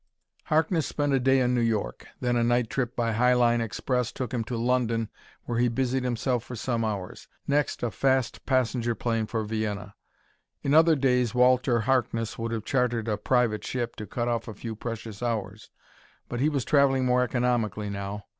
Harkness spent a day in New York. Then a night trip by Highline Express took him to London where he busied himself for some hours. Next, a fast passenger plane for Vienna. In other days Walter Harkness would have chartered a private ship to cut off a few precious hours, but he was traveling more economically now.